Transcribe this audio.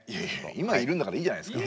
今いるんだからいいじゃないですか。